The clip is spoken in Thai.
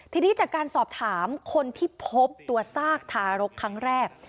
ทีนี้จากการสอบถามคนที่พบตัวซากทารกครั้งแรก